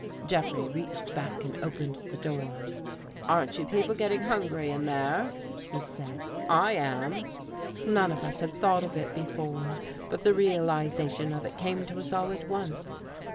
Jeffrey reached back and opened the door. "Aren't you people getting hungry in there?" he said. " I am." None of us had thought of it before, but the realization of it came to us all at once.